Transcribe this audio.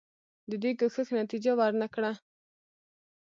دې کوښښ نتیجه ورنه کړه.